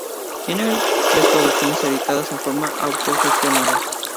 Tienen tres producciones editadas en forma autogestionada.